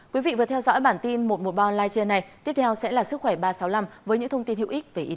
quý vị vừa theo dõi bản tin một trăm một mươi ba online trưa này tiếp theo sẽ là sức khỏe ba trăm sáu mươi năm với những thông tin hữu ích về y tế